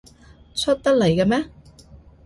出得嚟喇咩？